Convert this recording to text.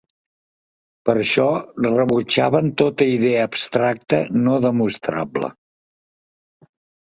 Per això rebutjaven tota idea abstracta no demostrable.